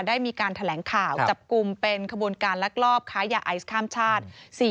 ได้มีการแถลงข่าวจับกลุ่มเป็นขบวนการลักลอบค้ายาไอซ์ข้ามชาติ